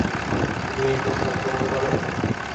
তিনি এই প্রস্তাব গ্রহণ করেন।